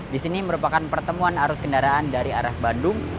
di sini merupakan pertemuan arus kendaraan dari arah bandung